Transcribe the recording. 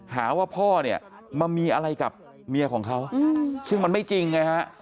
หาว่าพ่อเนี่ยมามีอะไรกับเมียของเขาซึ่งมันไม่จริงไงฮะ